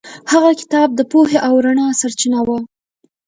هغه کتاب د پوهې او رڼا سرچینه وه.